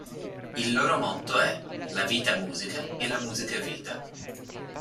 Il loro motto è: "La vita è musica e la musica è vita".